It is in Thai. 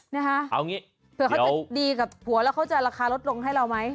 นะคะเผื่อเขาจะดีกับหัวแล้วเขาจะละครลดลงให้เราไหม